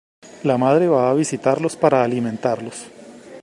La madre va a visitarlos para alimentarlos.